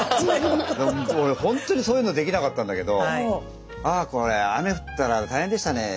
でも俺ほんとにそういうのできなかったんだけど「あこれ雨降ったら大変でしたねえ。